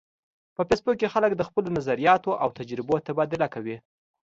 په فېسبوک کې خلک د خپلو نظریاتو او تجربو تبادله کوي